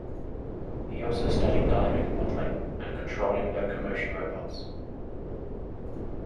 He also studied dynamic modeling and control in locomotion robots.